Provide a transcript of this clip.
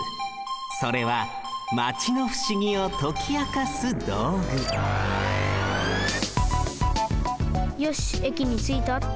それはマチのふしぎをときあかすどうぐよしえきについたっと。